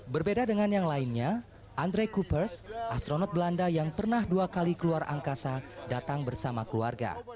berbeda dengan yang lainnya andre coopers astronot belanda yang pernah dua kali keluar angkasa datang bersama keluarga